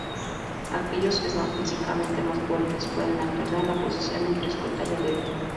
Aquellos que son físicamente más fuertes pueden alternar la posición entre escolta y alero.